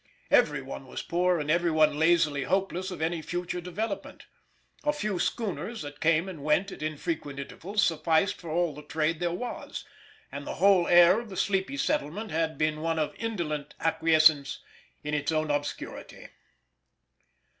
Every one was poor and every one lazily hopeless of any further development; a few schooners that came and went at infrequent intervals sufficed for all the trade there was, and the whole air of the sleepy settlement had been one of indolent acquiescence in its own obscurity.